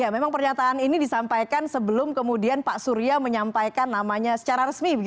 memang pernyataan ini disampaikan sebelum kemudian pak surya menyampaikan namanya secara resmi